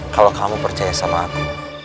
kalau kamu percaya sama aku